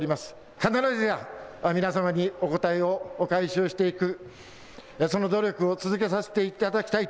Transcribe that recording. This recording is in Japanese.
必ずや皆様にお答えをお返しをしていく、その努力を続けさせていただきたい。